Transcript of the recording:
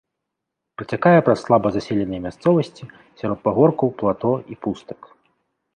Працякае праз слаба заселеныя мясцовасці сярод пагоркаў, плато і пустак.